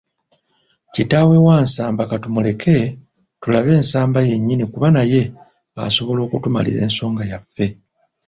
Kitaawe wa Nsamba katumuleke tulabe Nsamba yennyini kuba naye asobola okutumalira ensonga yaffe.